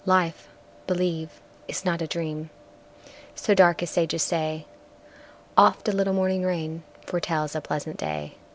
Life, believe, is not a dream So dark as sages say; Oft a little morning rain Foretells a pleasant day.